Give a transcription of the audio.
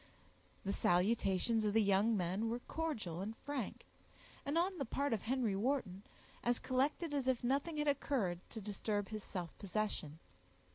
The salutations of the young men were cordial and frank, and, on the part of Henry Wharton, as collected as if nothing had occurred to disturb his self possession.